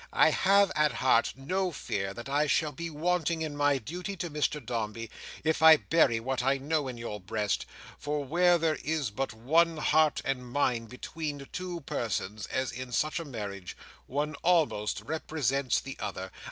I have, at heart, no fear that I shall be wanting in my duty to Mr Dombey, if I bury what I know in your breast; for where there is but one heart and mind between two persons—as in such a marriage—one almost represents the other.